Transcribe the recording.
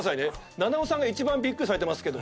菜々緒さんが一番びっくりされてますけど。